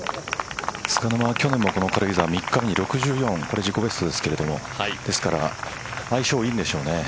菅沼は去年も、この軽井沢３日目、６４自己ベストですがですから相性いいんでしょうね。